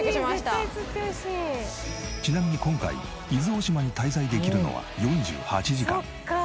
ちなみに今回伊豆大島に滞在できるのは４８時間。